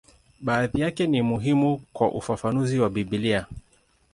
Baadhi yake ni muhimu kwa ufafanuzi wa Biblia.